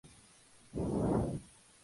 Se encuentra en la cuenca del lago Malawi.